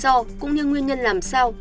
làm rõ lý do cũng như nguyên nhân làm sao